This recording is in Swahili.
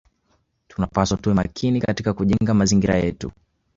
Tunapaswa tuwe makini katika kujenga mazingira yetu